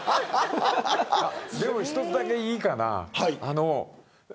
でも一つだけいいかな。